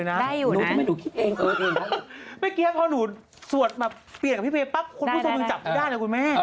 หนักมากเลยอ่ะวันนี้วิภาวดีติดหนักมากค่ะ